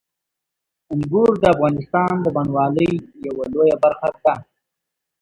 انګور د افغانستان د بڼوالۍ یوه لویه برخه ده.